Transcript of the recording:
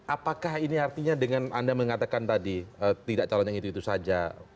apakah ini artinya dengan anda mengatakan tadi tidak calon yang itu itu saja